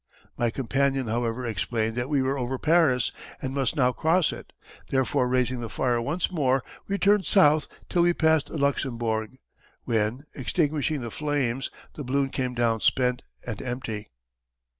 My companion however explained that we were over Paris and must now cross it; therefore raising the fire once more we turned south till we passed the Luxembourg, when, extinguishing the flames, the balloon came down spent and empty.